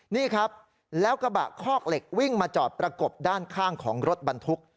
นี่ครับแล้วกระบะคอกเหล็กวิ่งมาจอดประกบด้านข้างของรถบรรทุก